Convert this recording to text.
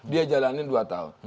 dia jalanin dua tahun